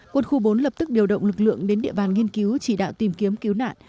quân khu bốn lập tức điều động lực lượng đến địa bàn nghiên cứu chỉ đạo tìm kiếm cứu nạn